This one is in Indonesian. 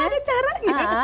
gak ada caranya